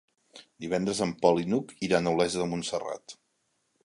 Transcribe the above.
Divendres en Pol i n'Hug iran a Olesa de Montserrat.